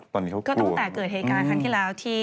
ตอนนี้เขาก็ตั้งแต่เกิดเหตุการณ์ครั้งที่แล้วที่